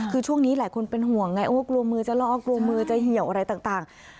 คือช่วงนี้หลายคนเป็นห่วงไงโอ้กลัวมือจะลอกกลัวมือจะเหี่ยวอะไรต่าง